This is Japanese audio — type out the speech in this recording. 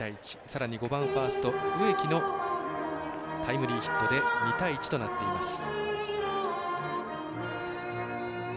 さらに５番ファースト植木のタイムリーヒットで２対１となっています。